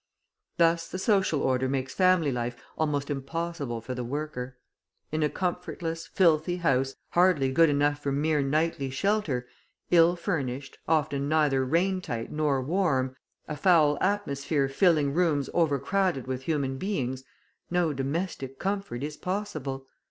Thus the social order makes family life almost impossible for the worker. In a comfortless, filthy house, hardly good enough for mere nightly shelter, ill furnished, often neither rain tight nor warm, a foul atmosphere filling rooms overcrowded with human beings, no domestic comfort is possible.